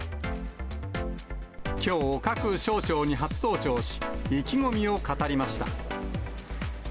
きょう、各省庁に初登庁し、意気込みを語りました。